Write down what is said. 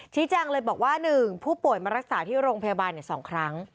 แจ้งเลยบอกว่า๑ผู้ป่วยมารักษาที่โรงพยาบาล๒ครั้ง